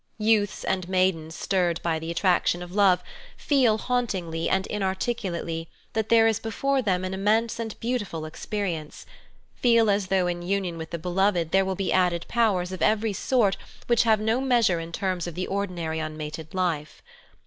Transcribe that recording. Youths and maidens stirred by the attraction of love, feel hauntingly and inarticulately that there is before them an immense and beautiful experience : feel as though in union with the beloved there will be added powers of every sort which have no measure in terms of the ordinary unmated life.